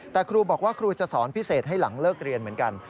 แต่ครูบอกว่าครูจะสอนพิเศษให้หลังเลิกเรียนเหมือนกัน